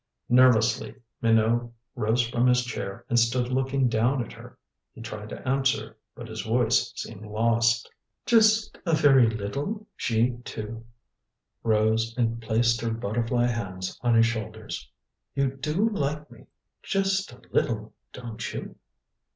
Nervously Minot rose from his chair and stood looking down at her. He tried to answer, but his voice seemed lost. "Just a very little?" She, too, rose and placed her butterfly hands on his shoulders. "You do like me just a little, don't you?"